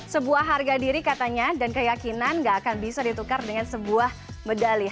sebuah harga diri katanya dan keyakinan nggak akan bisa ditukar dengan sebuah medali